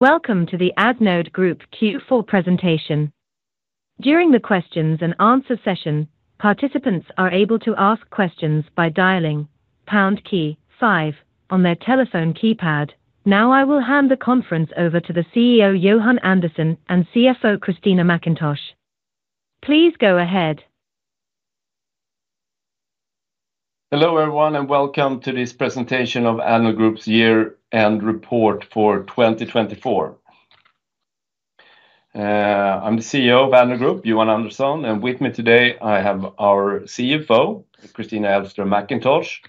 Welcome to the Addnode Group Q4 Presentation. During the Question and Answer session, participants are able to ask questions by dialing pound key five on their telephone keypad. Now I will hand the conference over to the CEO Johan Andersson and CFO Kristina Mackintosh. Please go ahead. Hello everyone, and welcome to this presentation of Addnode Group's Year-End Report for 2024. I'm the CEO of Addnode Group, Johan Andersson, and with me today I have our CFO, Kristina Elfström Mackintosh.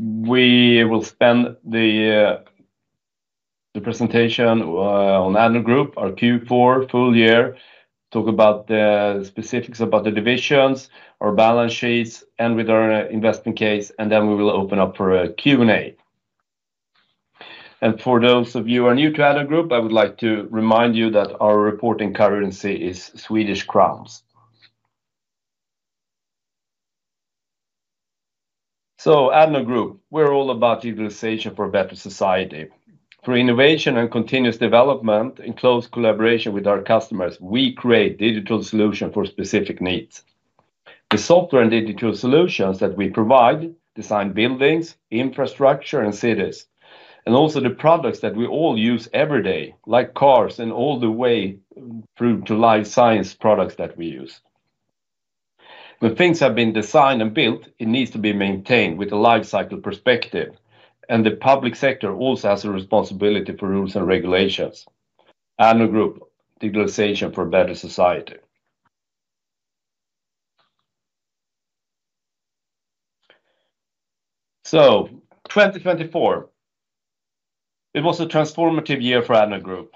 We will spend the presentation on Addnode Group, our Q4 full year, talk about the specifics about the divisions, our balance sheets, and with our investment case, and then we will open up for a Q&A, and for those of you who are new to Addnode Group, I would like to remind you that our reporting currency is Swedish crowns, so Addnode Group, we're all about digitalization for a better society. Through innovation and continuous development, in close collaboration with our customers, we create digital solutions for specific needs. The software and digital solutions that we provide design buildings and infrastructure in cities, and also the products that we all use every day, like cars and all the way through to life science products that we use. When things have been designed and built, it needs to be maintained with a life cycle perspective, and the public sector also has a responsibility for rules and regulations. Addnode Group, digitalization for a better society. So, 2024 it was a transformative year for Addnode Group.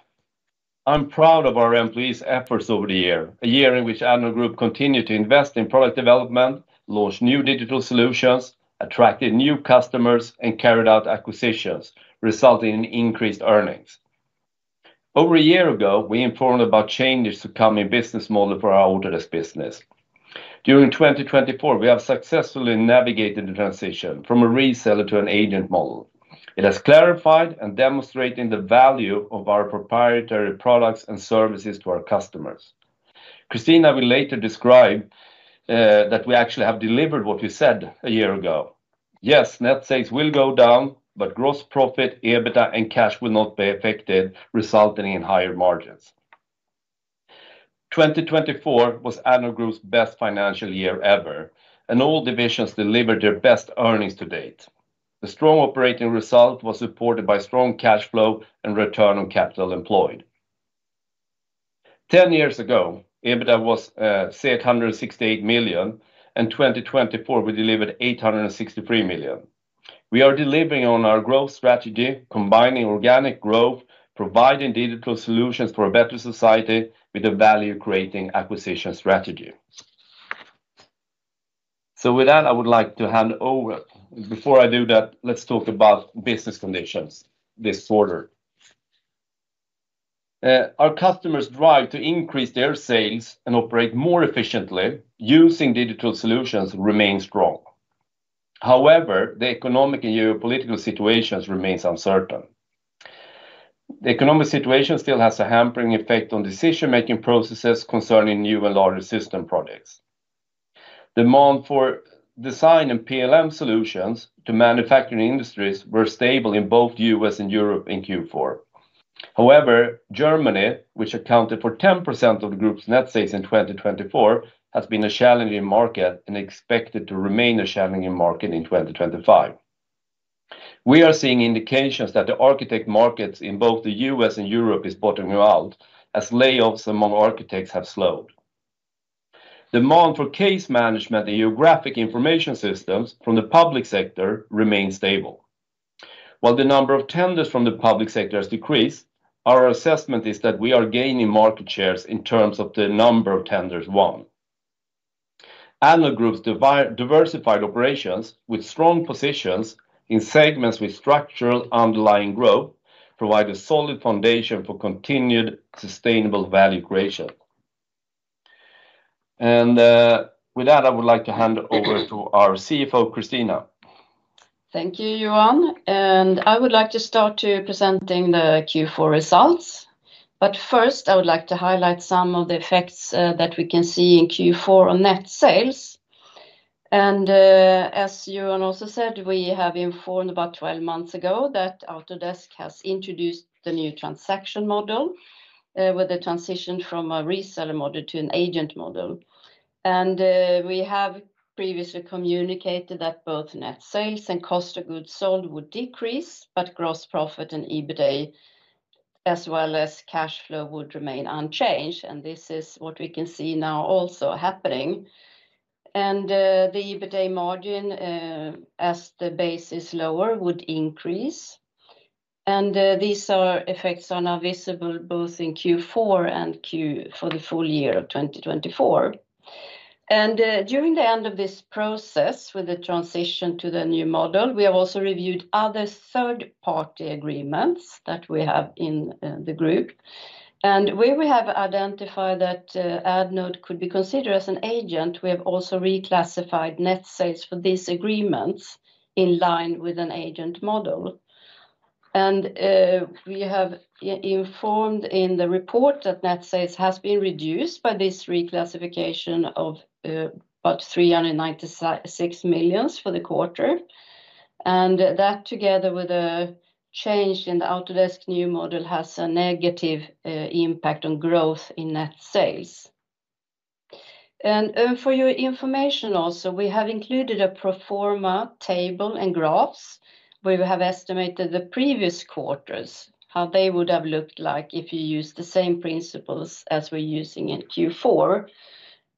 I'm proud of our employees' efforts over the year, a year in which Addnode Group continued to invest in product development, launch new digital solutions, attracted new customers, and carried out acquisitions, resulting in increased earnings. Over a year ago, we informed about changes to the coming business model for our auto business. During 2024, we have successfully navigated the transition from a reseller to an agent model. It has clarified and demonstrated the value of our proprietary products and services to our customers. Kristina will later describe that we actually have delivered what we said a year ago. Yes, net sales will go down, but gross profit, EBITDA, and cash will not be affected, resulting in higher margins. 2024 was Addnode Group's best financial year ever, and all divisions delivered their best earnings to date. The strong operating result was supported by strong cash flow and return on capital employed. Ten years ago, EBITDA was 868 million, and in 2024, we delivered 863 million. We are delivering on our growth strategy, combining organic growth, providing digital solutions for a better society with a value-creating acquisition strategy. So with that, I would like to hand over. Before I do that, let's talk about business conditions this quarter. Our customers' drive to increase their sales and operate more efficiently using digital solutions remains strong. However, the economic and geopolitical situation remains uncertain. The economic situation still has a hampering effect on decision-making processes concerning new and larger system products. Demand for design and PLM solutions to manufacturing industries was stable in both the US and Europe in Q4. However, Germany, which accounted for 10% of the group's net sales in 2024, has been a challenging market and expected to remain a challenging market in 2025. We are seeing indications that the architect markets in both the US and Europe are bottoming out as layoffs among architects have slowed. Demand for case management and geographic information systems from the public sector remains stable. While the number of tenders from the public sector has decreased, our assessment is that we are gaining market shares in terms of the number of tenders won. Addnode Group's diversified operations with strong positions in segments with structural underlying growth provide a solid foundation for continued sustainable value creation. And with that, I would like to hand over to our CFO, Kristina. Thank you, Johan. And I would like to start by presenting the Q4 results. But first, I would like to highlight some of the effects that we can see in Q4 on net sales. And as Johan also said, we have informed about 12 months ago that Autodesk has introduced the new transaction model with a transition from a reseller model to an agent model. And we have previously communicated that both net sales and cost of goods sold would decrease, but gross profit and EBITDA, as well as cash flow, would remain unchanged. And this is what we can see now also happening. And the EBITDA margin, as the base is lower, would increase. And these effects are now visible both in Q4 and for the full year of 2024. During the end of this process with the transition to the new model, we have also reviewed other third-party agreements that we have in the group. Where we have identified that Addnode could be considered as an agent, we have also reclassified net sales for these agreements in line with an agent model. We have informed in the report that net sales have been reduced by this reclassification of about 396 million for the quarter. That, together with a change in the Autodesk new model, has a negative impact on growth in net sales. For your information also, we have included a pro forma table and graphs where we have estimated the previous quarters, how they would have looked like if you used the same principles as we're using in Q4.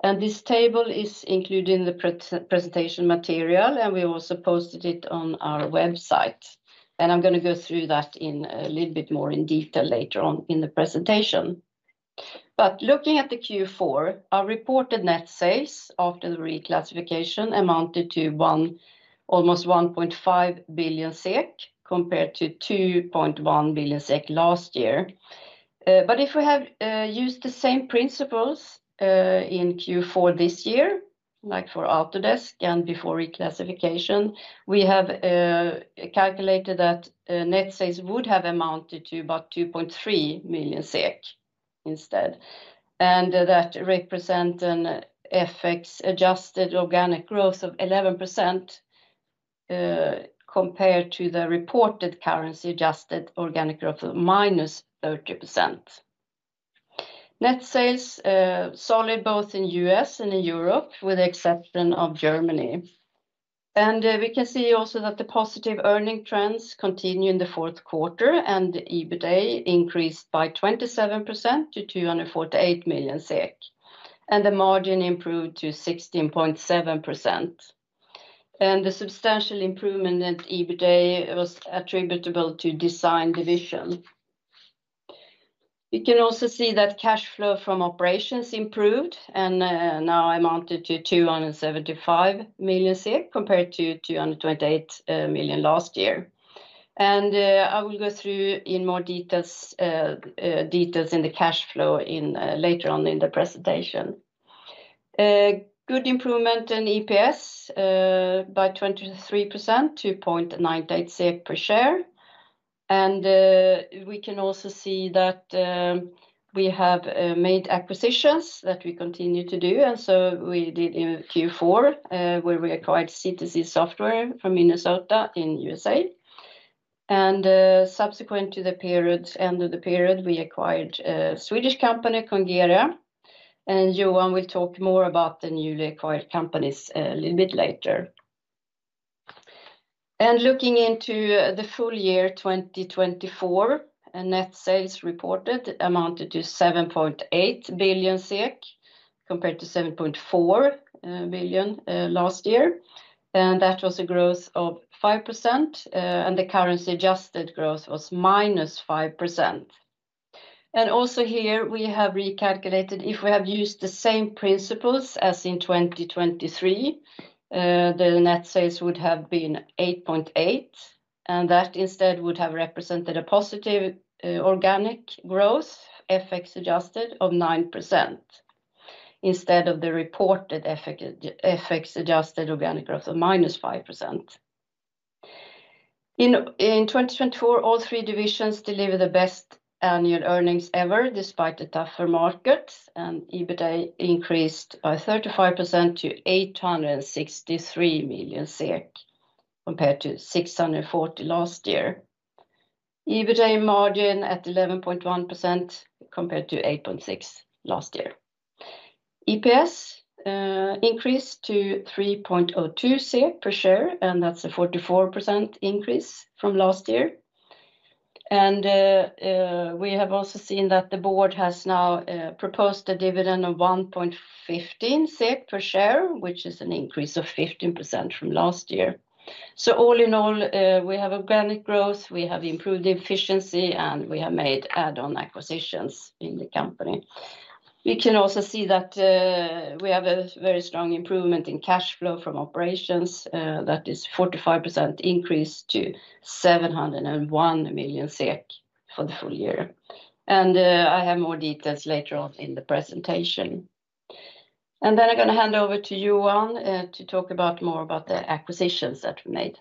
This table is included in the presentation material, and we also posted it on our website. I'm going to go through that a little bit more in detail later on in the presentation. Looking at the Q4, our reported net sales after the reclassification amounted to almost 1.5 billion SEK compared to 2.1 billion SEK last year. If we have used the same principles in Q4 this year, like for Autodesk and before reclassification, we have calculated that net sales would have amounted to about 2.3 million SEK instead. That represents an FX-adjusted organic growth of 11% compared to the reported currency-adjusted organic growth of minus 30%. Net sales are solid both in the US and in Europe, with the exception of Germany. And we can see also that the positive earnings trends continue in the Q4, and EBITDA increased by 27% to 248 million SEK, and the margin improved to 16.7%. And the substantial improvement in EBITDA was attributable to design division. We can also see that cash flow from operations improved and now amounted to 275 million compared to 228 million last year. And I will go through in more details in the cash flow later on in the presentation. Good improvement in EPS by 23% to 2.98 SEK per share. And we can also see that we have made acquisitions that we continue to do. And so we did in Q4, where we acquired CTC Software from Minnesota in the USA. And subsequent to the end of the period, we acquired a Swedish company, Congere. Johan will talk more about the newly acquired companies a little bit later. Looking into the full year 2024, net sales reported amounted to 7.8 billion SEK compared to 7.4 billion last year. That was a growth of 5%, and the currency-adjusted growth was minus 5%. Also here, we have recalculated if we have used the same principles as in 2023, the net sales would have been 8.8 billion, and that instead would have represented a positive organic growth, FX-adjusted, of 9%, instead of the reported FX-adjusted organic growth of minus 5%. In 2024, all three divisions delivered the best annual earnings ever, despite the tougher markets, and EBITDA increased by 35% to 863 million SEK compared to 640 million last year. EBITDA margin at 11.1% compared to 8.6% last year. EPS increased to 3.02 per share, and that's a 44% increase from last year. We have also seen that the board has now proposed a dividend of 1.15 SEK per share, which is an increase of 15% from last year. All in all, we have organic growth, we have improved efficiency, and we have made add-on acquisitions in the company. We can also see that we have a very strong improvement in cash flow from operations. That is a 45% increase to 701 million SEK for the full year. I have more details later on in the presentation. Then I'm going to hand over to Johan to talk more about the acquisitions that we made.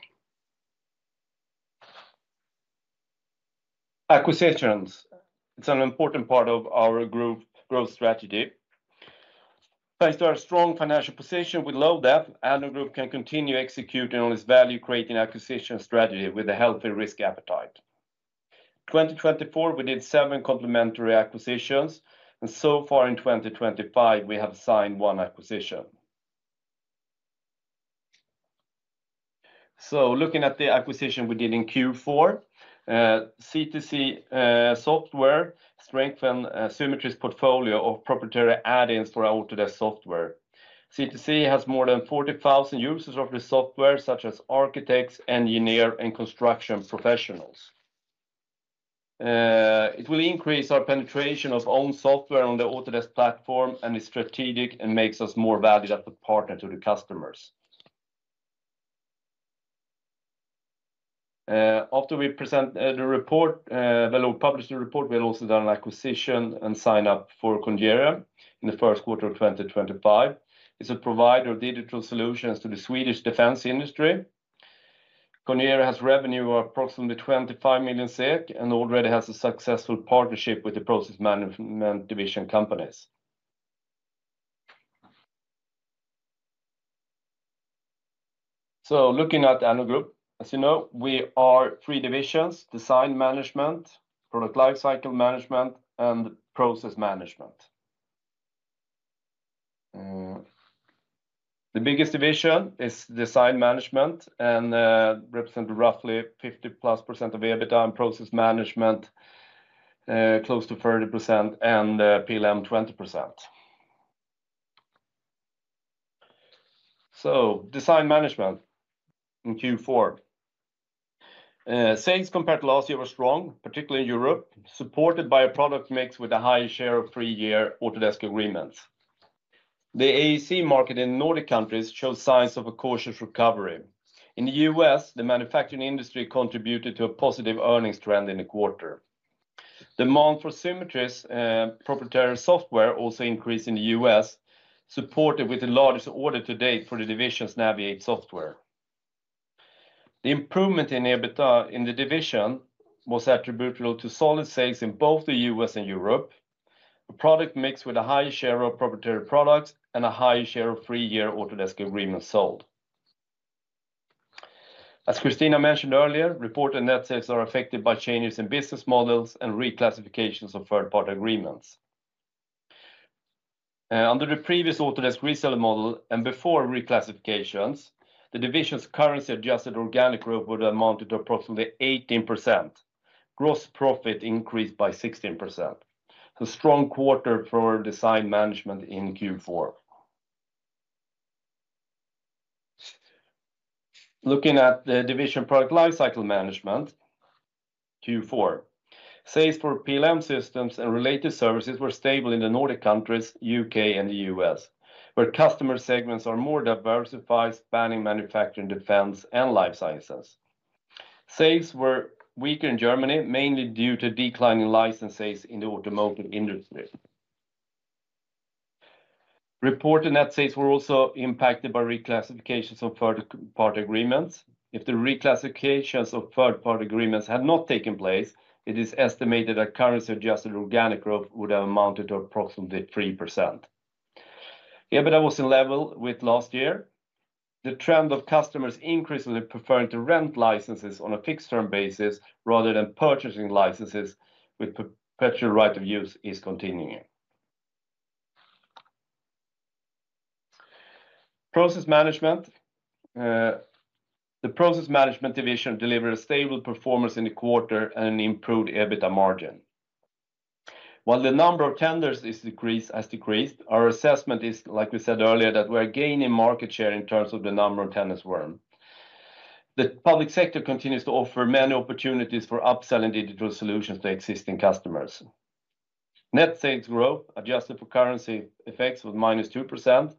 Acquisitions, it's an important part of our group's growth strategy. Thanks to our strong financial position with low debt, Addnode Group can continue executing on its value-creating acquisition strategy with a healthy risk appetite. In 2024, we did seven complementary acquisitions, and so far in 2025, we have signed one acquisition. So looking at the acquisition we did in Q4, CTC Software strengthened Symetri's portfolio of proprietary add-ins for our Autodesk software. CTC has more than 40,000 users of the software, such as architects, engineers, and construction professionals. It will increase our penetration of own software on the Autodesk platform and is strategic and makes us more valued as a partner to the customers. After we present the report, we'll publish the report. We'll also do an acquisition and sign up for Congere in the Q1 of 2025. It's a provider of digital solutions to the Swedish defense industry. Congere has revenue of approximately 25 million SEK and already has a successful partnership with the process management division companies. So looking at Addnode Group, as you know, we are three divisions: design management, product lifecycle management, and process management. The biggest division is design management and represents roughly 50 plus % of EBITDA and process management, close to 30%, and PLM 20%. So design management in Q4. Sales compared to last year were strong, particularly in Europe, supported by a product mix with a high share of three-year Autodesk agreements. The AEC market in Nordic countries shows signs of a cautious recovery. In the US, the manufacturing industry contributed to a positive earnings trend in the quarter. Demand for Symetri's proprietary software also increased in the US, supported with the largest order to date for the division's Naviate software. The improvement in EBITDA in the division was attributable to solid sales in both the US and Europe, a product mix with a high share of proprietary products and a high share of three-year Autodesk agreements sold. As Kristina mentioned earlier, reported net sales are affected by changes in business models and reclassifications of third-party agreements. Under the previous Autodesk reseller model and before reclassifications, the division's currency-adjusted organic growth would have amounted to approximately 18%. Gross profit increased by 16%. So strong quarter for design management in Q4. Looking at the division product lifecycle management Q4, sales for PLM systems and related services were stable in the Nordic countries, UK, and the US, where customer segments are more diversified, spanning manufacturing, defense, and life sciences. Sales were weaker in Germany, mainly due to declining license sales in the automotive industry. Reported net sales were also impacted by reclassifications of third-party agreements. If the reclassifications of third-party agreements had not taken place, it is estimated that currency-adjusted organic growth would have amounted to approximately 3%. EBITDA was in level with last year. The trend of customers increasingly preferring to rent licenses on a fixed-term basis rather than purchasing licenses with perpetual right of use is continuing. Process Management. The Process Management division delivered a stable performance in the quarter and an improved EBITDA margin. While the number of tenders has decreased, our assessment is, like we said earlier, that we are gaining market share in terms of the number of tenders won. The public sector continues to offer many opportunities for upselling digital solutions to existing customers. Net sales growth adjusted for currency effects was minus 2%,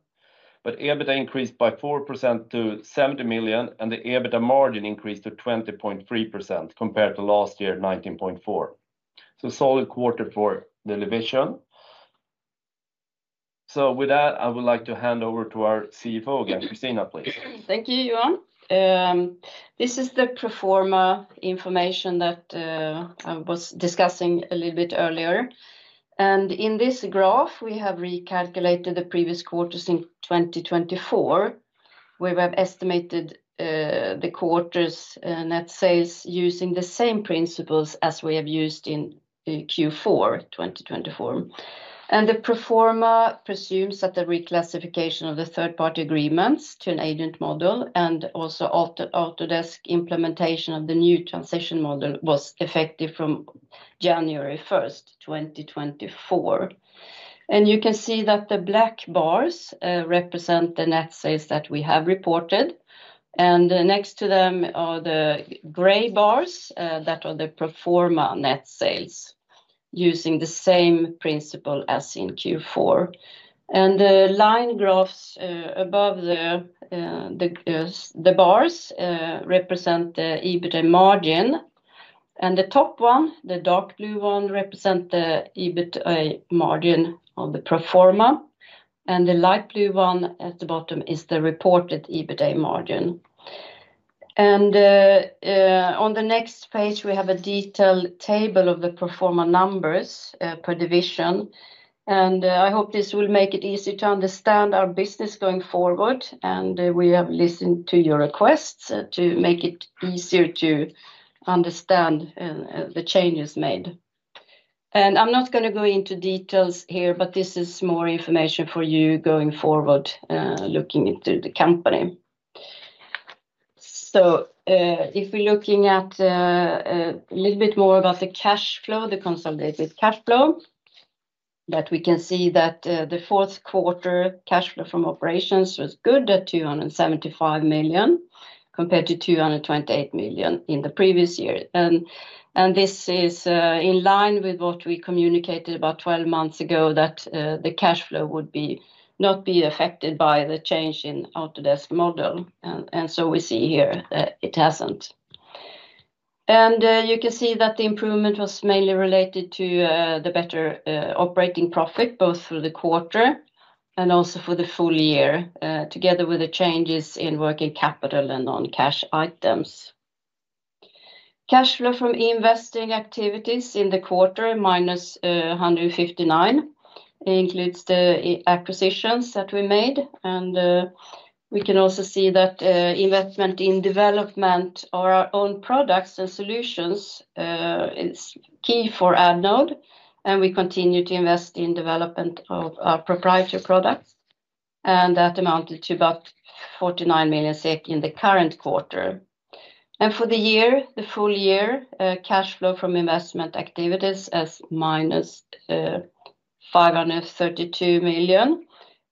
but EBITDA increased by 4% to 70 million, and the EBITDA margin increased to 20.3% compared to last year, 19.4%. Solid quarter for the division. With that, I would like to hand over to our CFO again, Kristina, please. Thank you, Johan. This is the pro forma information that I was discussing a little bit earlier. In this graph, we have recalculated the previous quarters in 2024, where we have estimated the quarter's net sales using the same principles as we have used in Q4 2024. The pro forma presumes that the reclassification of the third-party agreements to an agent model and also Autodesk's implementation of the new transition model was effective from 1 January 2024. You can see that the black bars represent the net sales that we have reported. Next to them are the gray bars that are the pro forma net sales using the same principle as in Q4. The line graphs above the bars represent the EBITDA margin. The top one, the dark blue one, represents the EBITDA margin of the pro forma. And the light blue one at the bottom is the reported EBITDA margin. On the next page, we have a detailed table of the pro forma numbers per division. I hope this will make it easier to understand our business going forward. We have listened to your requests to make it easier to understand the changes made. I'm not going to go into details here, but this is more information for you going forward looking into the company. If we're looking at a little bit more about the cash flow, the consolidated cash flow, we can see that the Q4 cash flow from operations was good at 275 million compared to 228 million in the previous year. This is in line with what we communicated about 12 months ago that the cash flow would not be affected by the change in Autodesk model. And so we see here that it hasn't. And you can see that the improvement was mainly related to the better operating profit both for the quarter and also for the full year, together with the changes in working capital and non-cash items. Cash flow from investing activities in the quarter minus 159 million includes the acquisitions that we made. And we can also see that investment in development of our own products and solutions is key for Addnode. And we continue to invest in development of our own proprietary products. And that amounted to about 49 million SEK in the current quarter. And for the year, the full year cash flow from investment activities was minus 532 million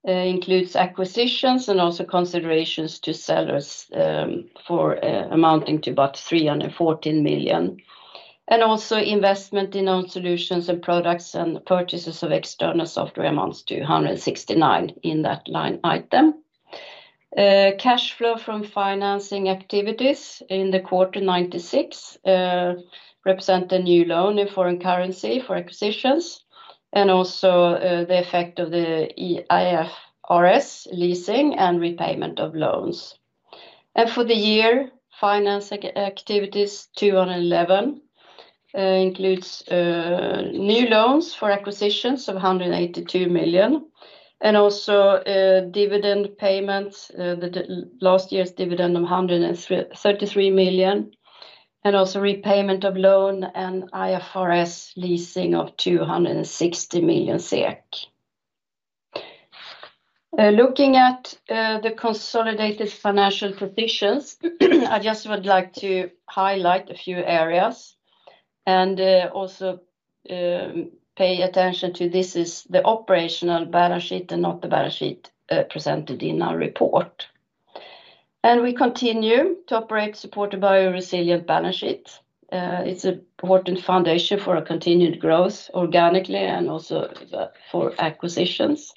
includes acquisitions and also considerations to sellers amounting to about 314 million. And also investment in own solutions and products and purchases of external software amounts to 169 million in that line item. Cash flow from financing activities in the quarter, 96 million, represents a new loan in foreign currency for acquisitions and also the effect of the IFRS leasing and repayment of loans. For the year, financing activities 211 million includes new loans for acquisitions of 182 million and also dividend payments, last year's dividend of 133 million, and also repayment of loan and IFRS leasing of 260 million SEK. Looking at the consolidated financial positions, I just would like to highlight a few areas and also pay attention to, this is the operational balance sheet and not the balance sheet presented in our report. We continue to operate supported by a resilient balance sheet. It's an important foundation for continued growth organically and also for acquisitions.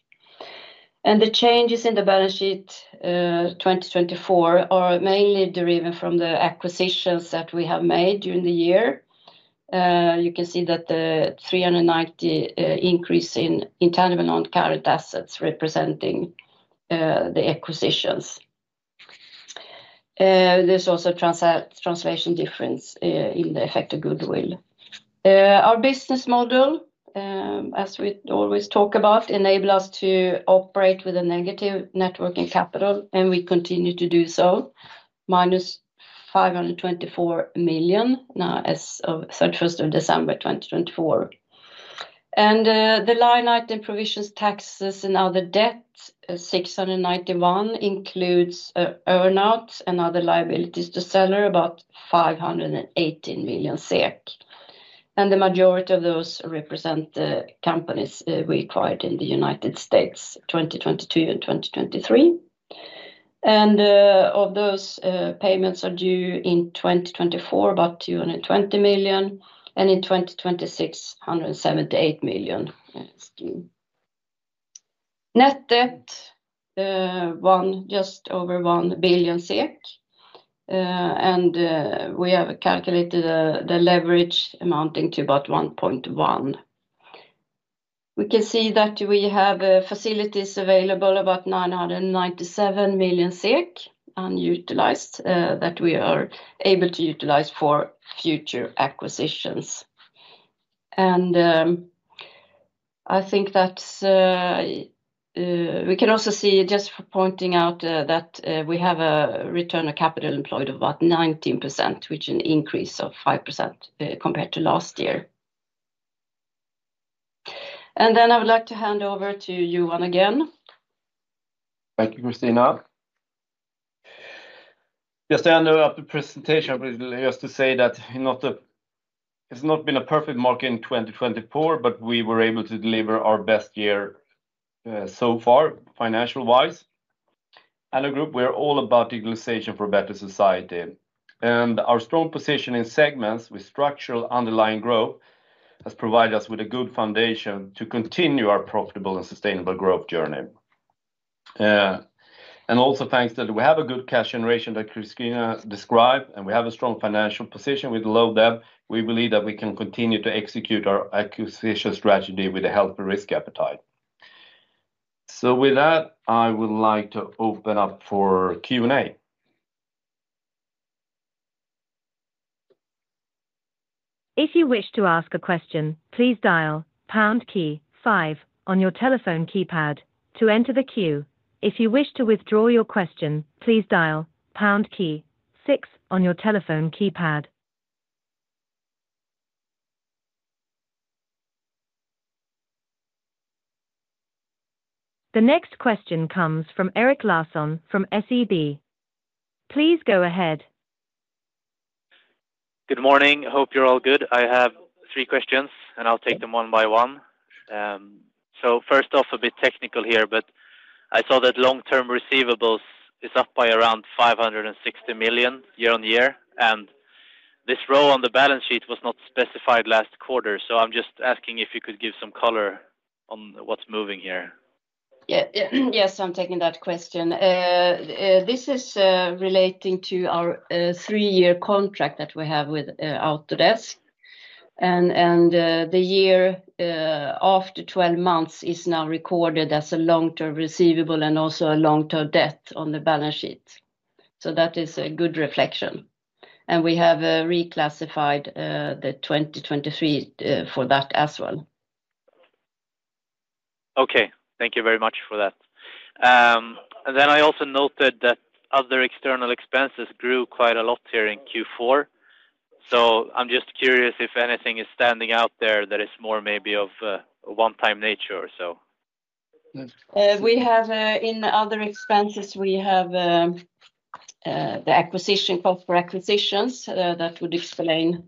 The changes in the balance sheet 2024 are mainly derived from the acquisitions that we have made during the year. You can see that the 390 increase in intangible non-current assets representing the acquisitions. There's also a translation difference in the effective goodwill. Our business model, as we always talk about, enables us to operate with a negative working capital, and we continue to do so, minus 524 million now as of 31 December 2024. And the line item provisions, taxes, and other debt, 691 includes earnouts and other liabilities to seller, about 518 million SEK. And the majority of those represent the companies we acquired in the United States 2022 and 2023. And of those payments are due in 2024, about 220 million, and in 2026, 178 million. Net debt was just over 1 billion SEK. And we have calculated the leverage amounting to about 1.1. We can see that we have facilities available, about 997 million SEK unutilized that we are able to utilize for future acquisitions. And I think that we can also see just for pointing out that we have a Return on Capital Employed of about 19%, which is an increase of 5% compared to last year. And then I would like to hand over to Johan again. Thank you, Kristina. Just to end up the presentation, I would just say that it's not been a perfect market in 2024, but we were able to deliver our best year so far financial-wise. At Addnode Group, we are all about digitalization for a better society, and our strong position in segments with structural underlying growth has provided us with a good foundation to continue our profitable and sustainable growth journey, and also thanks that we have a good cash generation that Kristina described, and we have a strong financial position with low debt. We believe that we can continue to execute our acquisition strategy with a healthy risk appetite, so with that, I would like to open up for Q&A. If you wish to ask a question, please dial pound key five on your telephone keypad to enter the queue. If you wish to withdraw your question, please dial pound key six on your telephone keypad. The next question comes from Erik Larsson from SEB. Please go ahead. Good morning. Hope you're all good. I have three questions, and I'll take them one by one. So first off, a bit technical here, but I saw that long-term receivables is up by around 560 million year on year. And this row on the balance sheet was not specified last quarter. So I'm just asking if you could give some color on what's moving here. Yeah, yes, I'm taking that question. This is relating to our three-year contract that we have with Autodesk. And the year after 12 months is now recorded as a long-term receivable and also a long-term debt on the balance sheet. So that is a good reflection. And we have reclassified the 2023 for that as well. Okay, thank you very much for that. And then I also noted that other external expenses grew quite a lot here in Q4. So I'm just curious if anything is standing out there that is more maybe of a one-time nature or so? We have in other expenses the acquisition costs for acquisitions that would explain.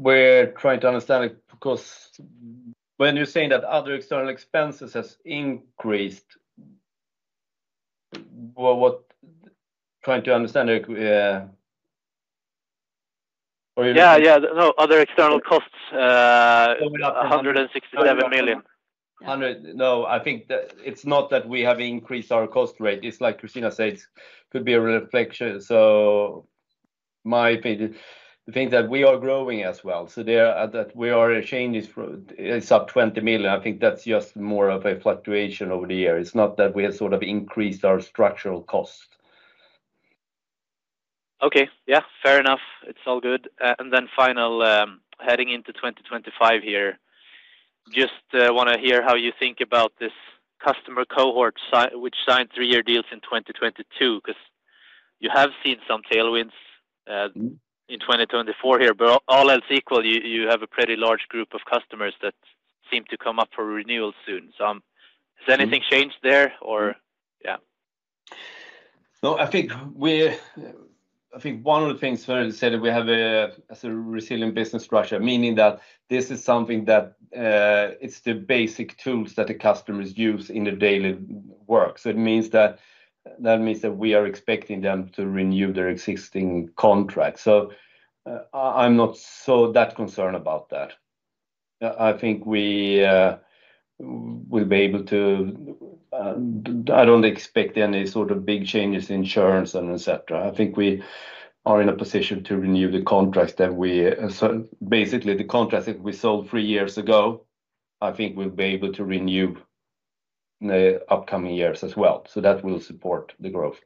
We're trying to understand, of course, when you're saying that other external expenses have increased, what I'm trying to understand. Other external costs going up to 167 million. No, I think it's not that we have increased our cost rate. It's like Kristina said, it could be a reflection, so my opinion, the thing that we are growing as well, so there that we are changing is up $20 million. I think that's just more of a fluctuation over the year. It's not that we have sort of increased our structural cost. Okay, yeah, fair enough. It's all good, and then finally, heading into 2025 here, just want to hear how you think about this customer cohort which signed three-year deals in 2022 because you have seen some tailwinds in 2024 here, but all else equal, you have a pretty large group of customers that seem to come up for renewal soon. So has anything changed there or yeah? No, I think one of the things I said we have as a resilient business structure, meaning that this is something that it is the basic tools that the customers use in the daily work. So it means that we are expecting them to renew their existing contract. So I'm not so concerned about that. I think we will be able to. I don't expect any sort of big changes in insurance and etc. I think we are in a position to renew the contracts, so basically the contracts that we sold three years ago. I think we'll be able to renew in the upcoming years as well. So that will support the growth.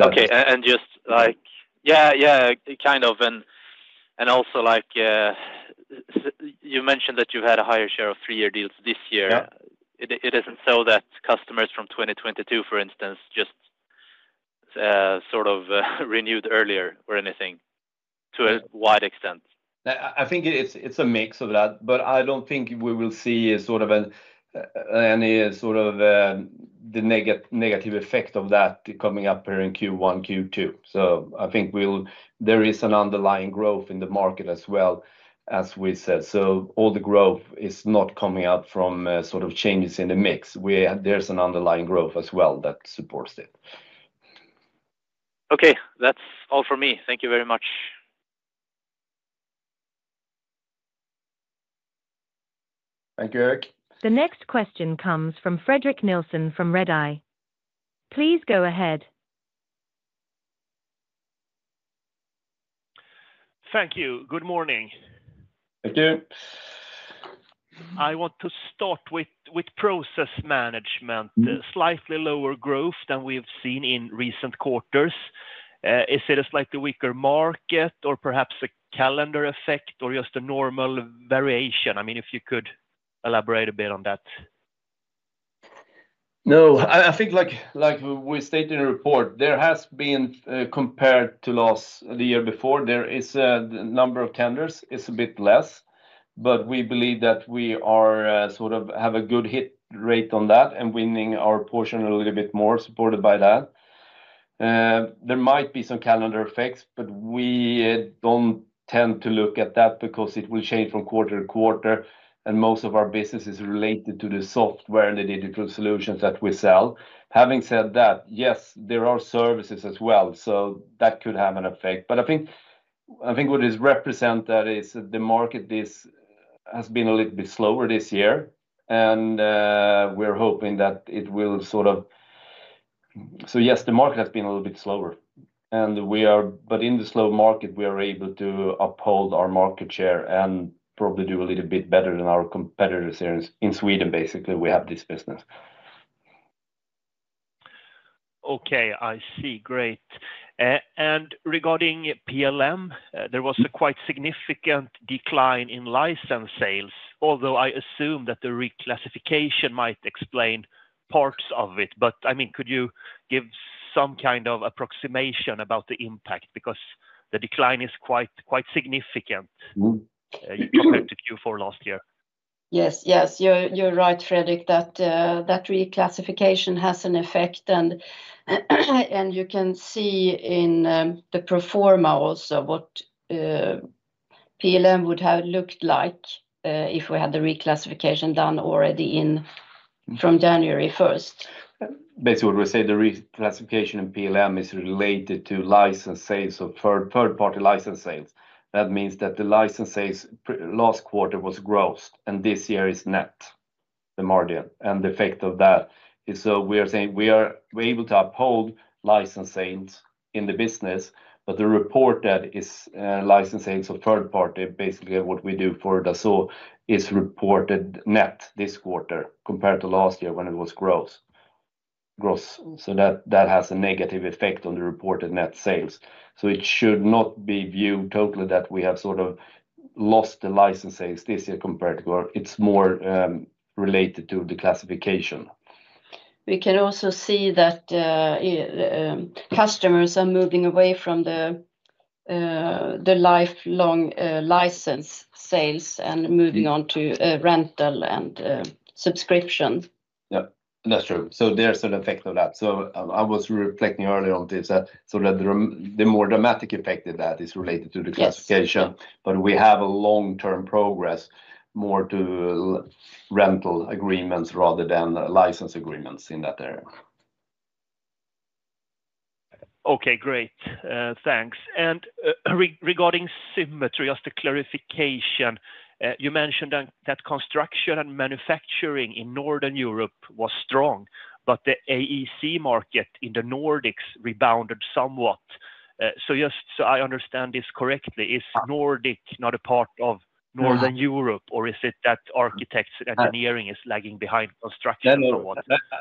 Okay, and just like, yeah, yeah, kind of, and also like you mentioned that you've had a higher share of three-year deals this year. It isn't so that customers from 2022, for instance, just sort of renewed earlier or anything to a wide extent? I think it's a mix of that, but I don't think we will see sort of any sort of the negative effect of that coming up here in Q1, Q2. So I think there is an underlying growth in the market as well, as we said. So all the growth is not coming up from sort of changes in the mix. There's an underlying growth as well that supports it. Okay, that's all for me. Thank you very much. Thank you, Erik. The next question comes from Fredrik Nilsson from Redeye. Please go ahead. Thank you. Good morning. Thank you. I want to start with process management. Slightly lower growth than we've seen in recent quarters. Is it a slightly weaker market or perhaps a calendar effect or just a normal variation? I mean, if you could elaborate a bit on that. No, I think, like we stated in the report, there has been, compared to the year before, there is a number of tenders. It's a bit less, but we believe that we sort of have a good hit rate on that and winning our portion a little bit more supported by that. There might be some calendar effects, but we don't tend to look at that because it will change from quarter to quarter and most of our business is related to the software and the digital solutions that we sell. Having said that, yes, there are services as well. So that could have an effect. But I think what is represented is that the market has been a little bit slower this year. And we're hoping that it will sort of, so yes, the market has been a little bit slower. We are, but in the slow market, we are able to uphold our market share and probably do a little bit better than our competitors here in Sweden. Basically, we have this business. Okay, I see. Great. And regarding PLM, there was a quite significant decline in license sales, although I assume that the reclassification might explain parts of it. But I mean, could you give some kind of approximation about the impact because the decline is quite significant compared to Q4 last year? Yes, yes. You're right, Fredrik, that reclassification has an effect. And you can see in the pro forma also what PLM would have looked like if we had the reclassification done already from January 1st. Basically, what we say the reclassification in PLM is related to license sales, so third-party license sales. That means that the license sales last quarter was gross and this year is net, the margin. And the effect of that is so we are saying we are able to uphold license sales in the business, but the reported license sales of third-party, basically what we do for Dassault is reported net this quarter compared to last year when it was gross. So that has a negative effect on the reported net sales. So it should not be viewed totally that we have sort of lost the license sales this year compared to, it's more related to the classification. We can also see that customers are moving away from the lifelong license sales and moving on to rental and subscription. Yeah, that's true. So there's an effect of that. So I was reflecting earlier on this, so the more dramatic effect of that is related to the classification, but we have a long-term progress more to rental agreements rather than license agreements in that area. Okay, great. Thanks. And regarding Symetri, just a clarification, you mentioned that construction and manufacturing in Northern Europe was strong, but the AEC market in the Nordics rebounded somewhat. So just so I understand this correctly, is Nordic not a part of Northern Europe or is it that architects and engineering is lagging behind construction?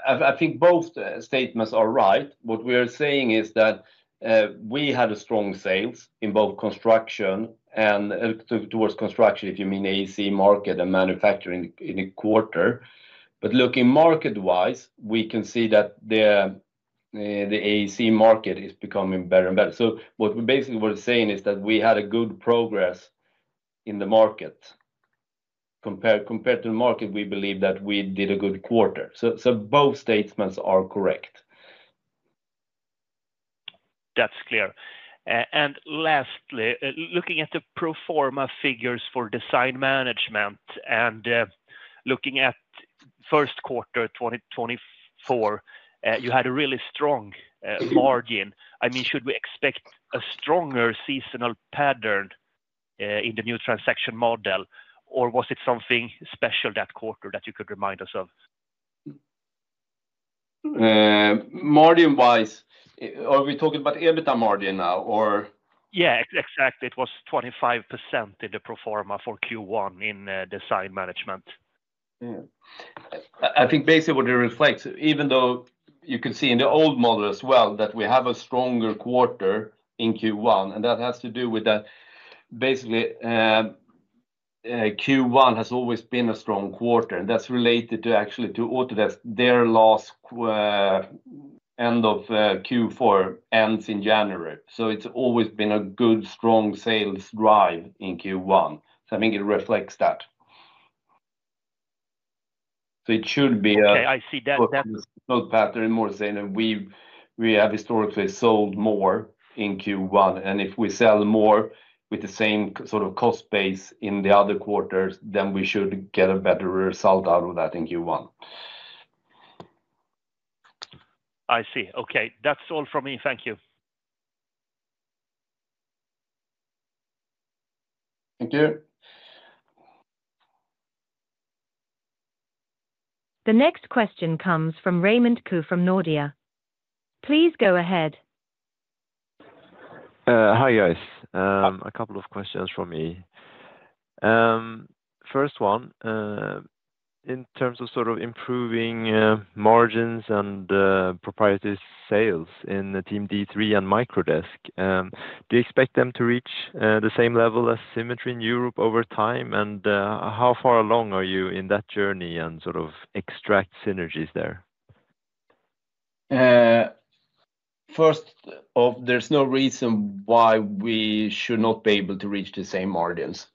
I think both statements are right. What we are saying is that we had a strong sales in both construction and towards construction, if you mean AEC market and manufacturing in a quarter, but looking market-wise, we can see that the AEC market is becoming better and better, so what we basically were saying is that we had a good progress in the market. Compared to the market, we believe that we did a good quarter, so both statements are correct. That's clear. And lastly, looking at the proforma figures for design management and looking at Q1 2024, you had a really strong margin. I mean, should we expect a stronger seasonal pattern in the new transaction model or was it something special that quarter that you could remind us of? Margin-wise, are we talking about EBITDA margin now or? Yeah, exactly. It was 25% in the pro forma for Q1 in Design Management. I think basically what it reflects, even though you can see in the old model as well that we have a stronger quarter in Q1, and that has to do with that basically Q1 has always been a strong quarter, and that's related to actually to Autodesk, their last end of Q4 ends in January, so it's always been a good strong sales drive in Q1, so I think it reflects that, so it should be. Okay, I see that. Growth pattern. I'm more saying that we have historically sold more in Q1, and if we sell more with the same sort of cost base in the other quarters, then we should get a better result out of that in Q1. I see. Okay, that's all from me. Thank you. Thank you. The next question comes from Raymond Ke from Nordea. Please go ahead. Hi guys. A couple of questions from me. First one, in terms of sort of improving margins and proprietary sales in Team D3 and Microdesk, do you expect them to reach the same level as Symetri in Europe over time? And how far along are you in that journey and sort of extract synergies there? First off, there's no reason why we should not be able to reach the same margins,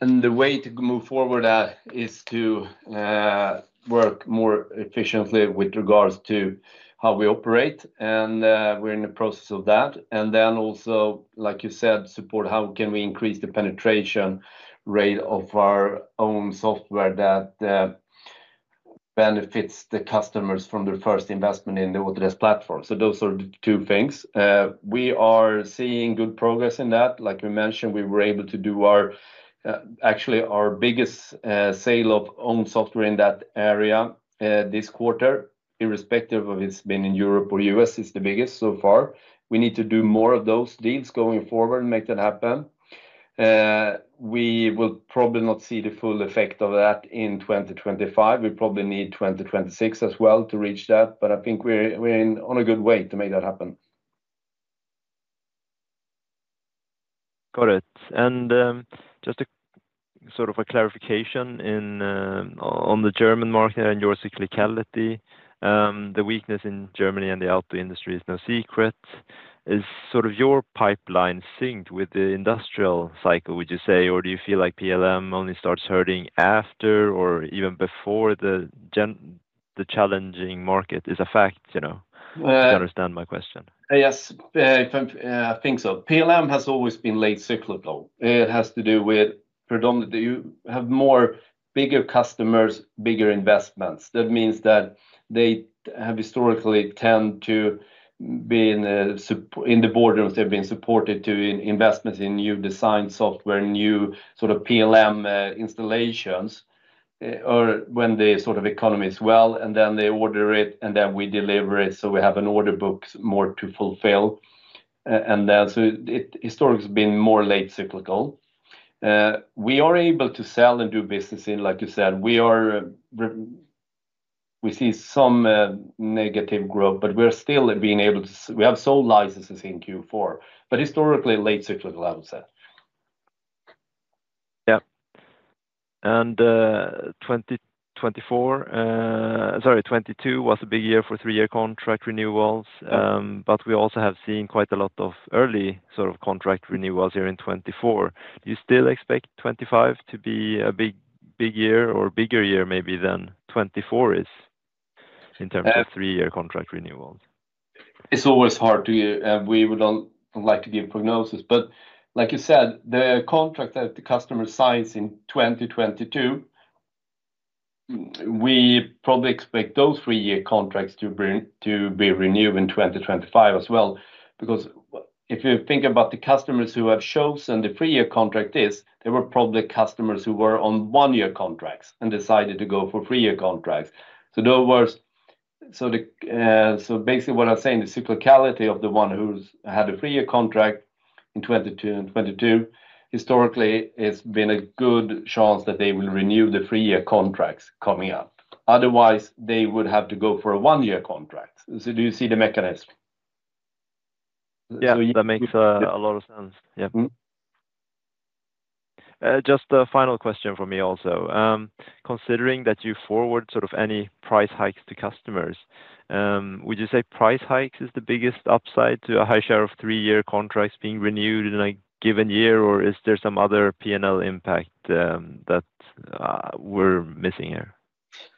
and the way to move forward is to work more efficiently with regards to how we operate, and we're in the process of that, and then also, like you said, support how can we increase the penetration rate of our own software that benefits the customers from their first investment in the Autodesk platform. So those are the two things. We are seeing good progress in that. Like we mentioned, we were able to do our, actually, our biggest sale of own software in that area this quarter, irrespective of if it's been in Europe or US, is the biggest so far. We need to do more of those deals going forward and make that happen. We will probably not see the full effect of that in 2025. We probably need 2026 as well to reach that, but I think we're on a good way to make that happen. Got it. And just sort of a clarification on the German market and your cyclicality, the weakness in Germany and the auto industry is no secret. Is sort of your pipeline synced with the industrial cycle, would you say, or do you feel like PLM only starts hurting after or even before the challenging market is a fact? Do you understand my question? Yes, I think so. PLM has always been late cyclical. It has to do with predominantly you have more bigger customers, bigger investments. That means that they have historically tend to be in the border of they've been supported to investments in new design software, new sort of PLM installations when the sort of economy is well and then they order it and then we deliver it. So we have an order book more to fulfill. And so it historically has been more late cyclical. We are able to sell and do business in, like you said, we see some negative growth, but we're still being able to we have sold licenses in Q4, but historically late cyclical, I would say. Yeah, and 2024, sorry, 2022 was a big year for three-year contract renewals, but we also have seen quite a lot of early sort of contract renewals here in 2024. Do you still expect 2025 to be a big year or bigger year maybe than 2024 is in terms of three-year contract renewals? It's always hard, too. We would like to give prognosis, but like you said, the contract that the customer signs in 2022, we probably expect those three-year contracts to be renewed in 2025 as well. Because if you think about the customers who have chosen the three-year contract, there were probably customers who were on one-year contracts and decided to go for three-year contracts. So basically what I'm saying, the cyclicality of the one who had a three-year contract in 2022, historically has been a good chance that they will renew the three-year contracts coming up. Otherwise, they would have to go for a one-year contract. So do you see the mechanism? Yeah, that makes a lot of sense. Yeah. Just a final question for me also. Considering that you forward sort of any price hikes to customers, would you say price hikes is the biggest upside to a high share of three-year contracts being renewed in a given year, or is there some other P&L impact that we're missing here?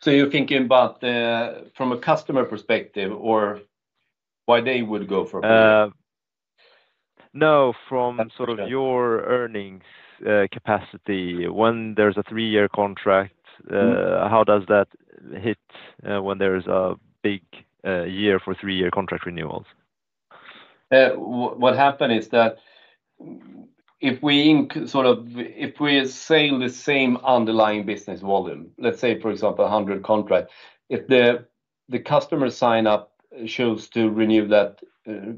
So you're thinking about from a customer perspective or why they would go for a price hike? No, from sort of your earnings capacity, when there's a three-year contract, how does that hit when there's a big year for three-year contract renewals? What happened is that if we sell the same underlying business volume, let's say for example, 100 contracts, if the customer signs up to renew that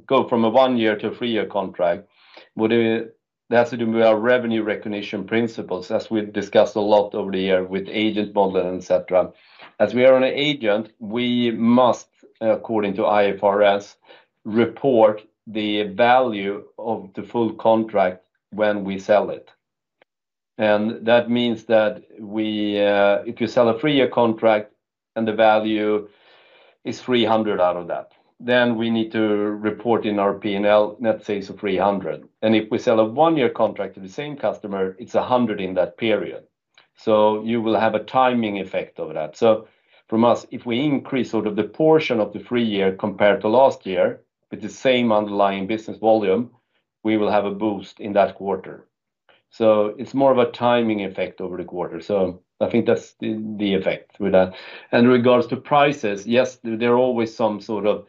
going from a one-year to a three-year contract, it has to do with our revenue recognition principles as we discussed a lot over the year with agent model and etc. As we are an agent, we must, according to IFRS, report the value of the full contract when we sell it. And that means that if you sell a three-year contract and the value is 300 out of that, then we need to report in our P&L net sales of 300. And if we sell a one-year contract to the same customer, it's 100 in that period. So you will have a timing effect over that. So from us, if we increase sort of the portion of the three-year compared to last year with the same underlying business volume, we will have a boost in that quarter. So it's more of a timing effect over the quarter. So I think that's the effect with that. And in regards to prices, yes, there are always some sort of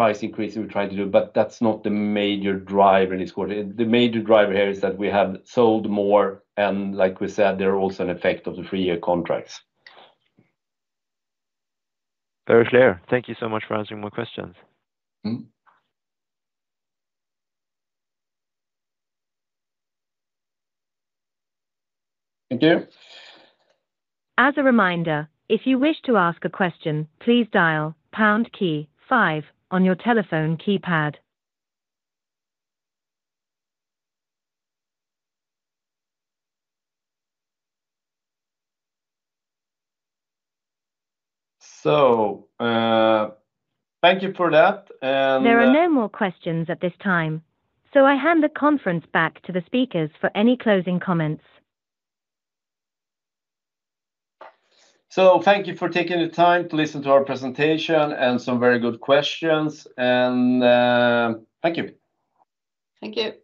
price increase we're trying to do, but that's not the major driver in this quarter. The major driver here is that we have sold more and like we said, there are also an effect of the three-year contracts. Very clear. Thank you so much for answering my questions. Thank you. As a reminder, if you wish to ask a question, please dial pound key five on your telephone keypad. So thank you for that. There are no more questions at this time. So I hand the conference back to the speakers for any closing comments. So thank you for taking the time to listen to our presentation and some very good questions. And thank you. Thank you.